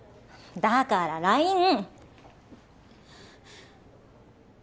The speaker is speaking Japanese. だからＬＩＮＥ！